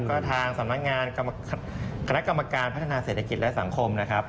ก็ทางสำนักงานคณะกรรมการพัฒนาเศรษฐกิจและสังคมนะครับ